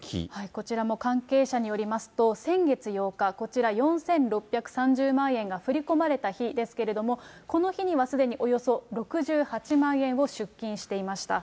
こちらも関係者によりますと、先月８日、こちら、４６３０万円が振り込まれた日ですけれども、この日にはすでにおよそ６８万円を出金していました。